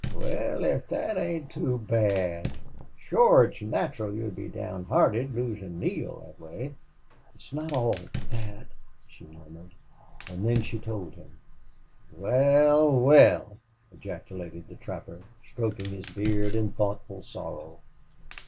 "Wal, if thet ain't too bad! Shore it's natural you'd be downhearted, losin' Neale thet way." "It's not all that," she murmured, and then she told him. "Wal, wal!" ejaculated the trapper, stroking his beard in thoughtful sorrow.